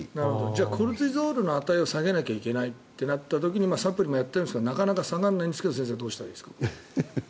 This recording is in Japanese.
じゃあ、コルチゾールの値を下げなきゃいけないというときはサプリもやってるんですがなかなか下がらないんですが先生、どうすればいいですか？